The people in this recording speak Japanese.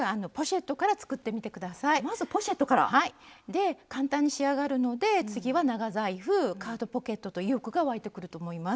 で簡単に仕上がるので次は長財布カードポケットと意欲が湧いてくると思います。